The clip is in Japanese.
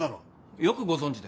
よくご存じで。